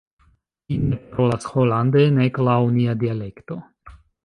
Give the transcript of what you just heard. Li ne parolas holande, nek laŭ nia dialekto.